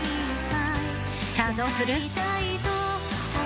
さぁどうする？